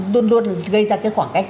luôn luôn gây ra cái khoảng cách